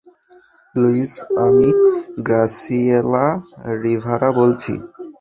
Luis, আমি Graciela Rivera বলছি।